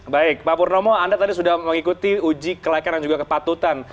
baik pak purnomo anda tadi sudah mengikuti uji kelayakan dan juga kepatutan